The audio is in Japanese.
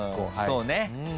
そうね。